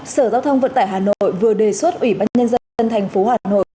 sở giao thông vận tải hà nội vừa đề xuất ủy ban nhân dân thành phố hà nội